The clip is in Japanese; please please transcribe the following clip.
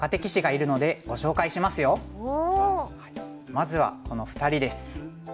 まずはこの２人です。